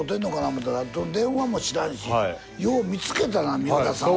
思たら電話も知らんしよう見つけたな三浦さんを。